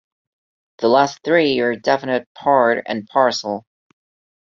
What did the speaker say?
The last three are definite part and parcel.